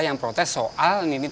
nenek rete jenderal di kampung sina